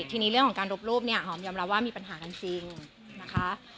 ทีนี้เรื่องของการรบรูปเนี่ยหอมยอมรับว่ามีปัญหากันจริงนะคะ